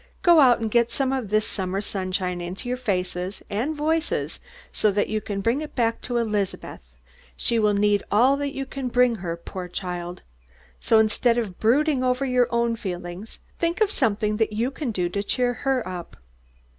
"Go out and get some of this summer sunshine into your faces and voices so that you can bring it back to Elizabeth. She will need all that you can bring her, poor child; so, instead of brooding over your own feelings, think of something that you can do to cheer her up."